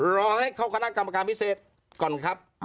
รอให้เข้าคณะกรรมการพิเศษก่อนครับ